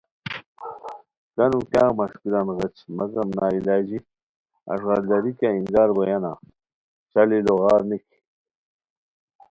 کانو کیاغ مݰکیران غیچ ! مگم نا علاجی! اݱغالداری کیہ اِنگار بویانہ؟ شالی لوغار نِکی